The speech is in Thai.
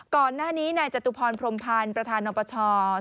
ก่อนหน้านี้นายจตุพรพรมพันธ์ประธานนปช